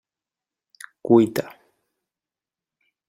Cuita!